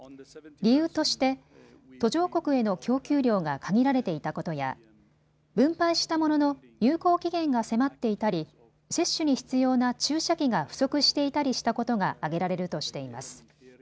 理由として途上国への供給量が限られていたことや分配したものの、有効期限が迫っていたり接種に必要な注射器が不足していたりしたことが挙げられるとしています。